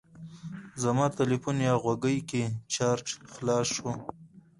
زما تلیفون یا غوږۍ کې چارج خلاص شو.